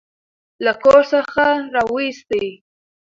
له کور څخه راوستې.